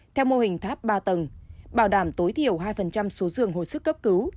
theo mô hình tháp ba tầng bảo đảm tối thiểu hai số giường hồi sức cấp cứu